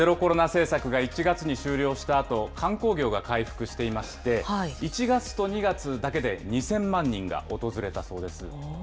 政策が１月に終了したあと、観光業が回復していまして、１月と２月だけで２０００万人が訪れたそうです。